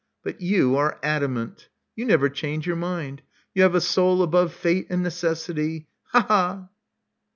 But you are adamant. You never change your mind. You have a soul above fate and necessity! Ha! ha!"